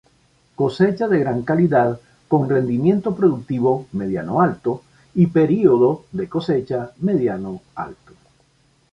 Cosecha de gran calidad con rendimiento productivo mediano-alto y periodo de cosecha mediano alto.